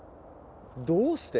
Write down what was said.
どうして？